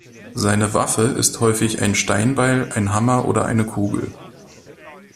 Seine Waffe ist häufig ein Steinbeil, ein Hammer oder eine Kugel.